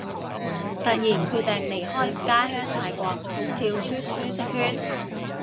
突然決定離開家鄉泰國，跳出舒適圈